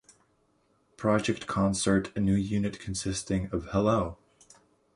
Project concert, a new unit consisting of Hello!